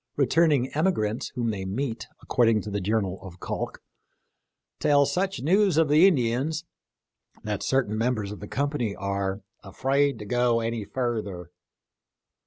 Returning emigrants whom they meet, according to the journal of Calk, " tell such News of the Indians " that certain mem bers of the company are " afrade to go aney further."